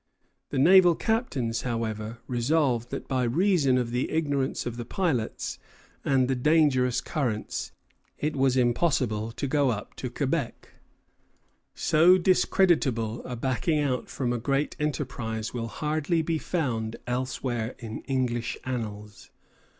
" The naval captains, however, resolved that by reason of the ignorance of the pilots and the dangerous currents it was impossible to go up to Quebec. So discreditable a backing out from a great enterprise will hardly be found elsewhere in English annals.